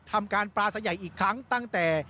ทำการปลาสายใหญ่อีกครั้งตั้งแต่